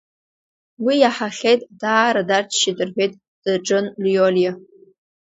Уи иаҳахьеит, даара дарччеит рҳәеит, даҿын Лиолиа.